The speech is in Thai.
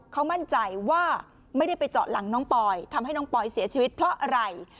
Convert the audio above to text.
เขามั่นใจว่าไม่ได้ไปเจาะหลังน้องปอยทำให้น้องปอยเสียชีวิตเพราะอะไร